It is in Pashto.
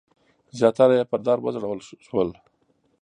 زیاتره یې پر دار وځړول شول.